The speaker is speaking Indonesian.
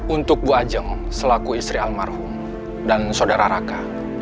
untuk bu ajeng selaku istri almarhum dan saudara raka